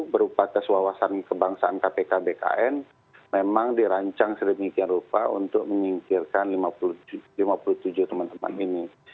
berupa tes wawasan kebangsaan kpk bkn memang dirancang sedemikian rupa untuk menyingkirkan lima puluh tujuh teman teman ini